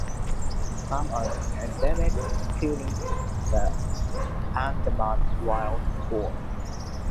Some are endemic, including the Andaman Wild Boar.